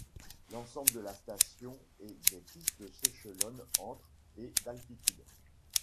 L'ensemble de la station et des pistes s'échelonnent entre et d'altitude.